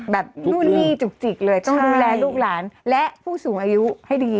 นู่นนี่จุกจิกเลยต้องดูแลลูกหลานและผู้สูงอายุให้ดี